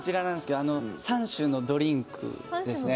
３種のドリンクですね。